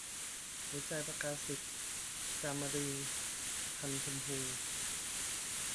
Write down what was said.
หัวใจประกาศิต - จามรี พรรณชมพู